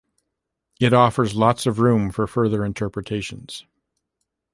It offers lots of room for further interpretations.